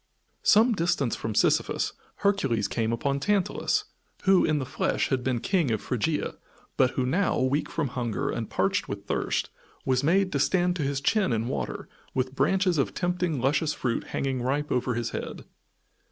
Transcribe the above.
Some distance from Sisyphus Hercules came upon Tantalus, who, in the flesh, had been King of Phrygia, but who now, weak from hunger and parched with thirst, was made to stand to his chin in water with branches of tempting luscious fruit hanging ripe over his head.